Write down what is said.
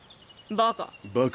バカ。